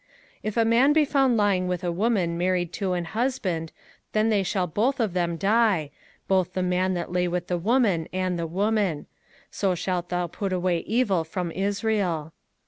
05:022:022 If a man be found lying with a woman married to an husband, then they shall both of them die, both the man that lay with the woman, and the woman: so shalt thou put away evil from Israel.